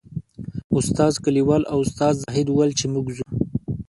استاد کلیوال او استاد زاهد ویل چې موږ ځو.